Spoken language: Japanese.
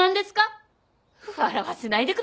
笑わせないでください。